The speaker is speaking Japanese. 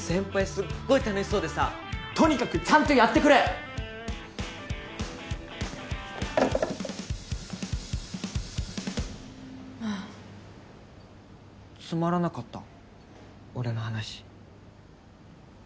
すっごい楽しそうでさとにかくちゃんとやってくれ！はあつまらなかった？